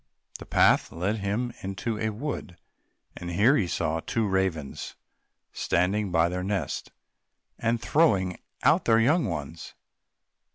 The path led him into a wood, and here he saw two old ravens standing by their nest, and throwing out their young ones.